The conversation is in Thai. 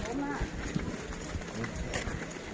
ครับเลยครับผม